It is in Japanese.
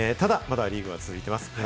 ただ、まだリーグは続いています。